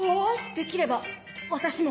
できれば私も。